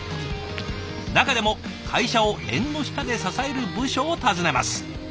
中でも会社を縁の下で支える部署を訪ねます。